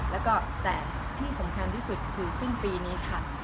แล้วก็แต่ที่สำคัญที่สุดคือสิ้นปีนี้ค่ะ